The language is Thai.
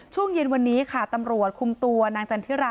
ช่วงเย็นวันนี้ค่ะตำรวจคุมตัวนางจันทิรา